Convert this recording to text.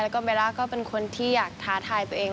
แล้วก็เบลล่าก็เป็นคนที่อยากท้าทายตัวเอง